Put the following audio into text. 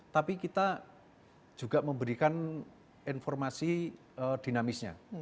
tapi kita juga memberikan informasi dinamisnya